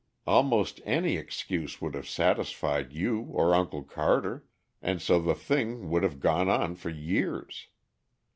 Almost any excuse would have satisfied you or Uncle Carter, and so the thing would have gone on for years.